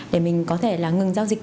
để mình có thể ngừng giao dịch